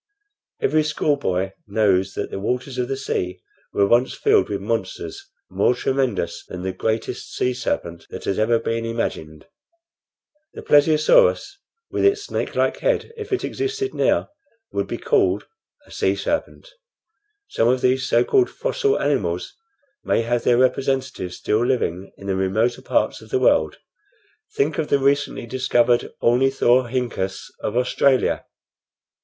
Every schoolboy knows that the waters of the sea were once filled with monsters more tremendous than the greatest sea serpent that has ever been imagined. The plesiosaurus, with its snakelike head, if it existed now, would be called a sea serpent. Some of these so called fossil animals may have their representatives still living in the remoter parts of the world. Think of the recently discovered ornithorhynchus of Australia!"